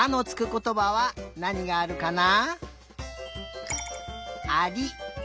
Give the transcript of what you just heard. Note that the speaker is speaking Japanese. ことばはなにがあるかな？